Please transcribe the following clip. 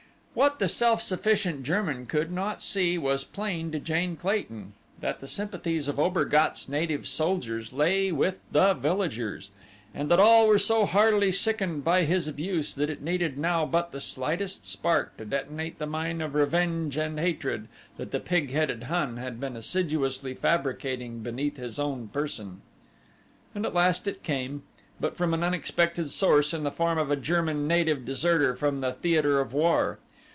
What the self sufficient German could not see was plain to Jane Clayton that the sympathies of Obergatz' native soldiers lay with the villagers and that all were so heartily sickened by his abuse that it needed now but the slightest spark to detonate the mine of revenge and hatred that the pig headed Hun had been assiduously fabricating beneath his own person. And at last it came, but from an unexpected source in the form of a German native deserter from the theater of war.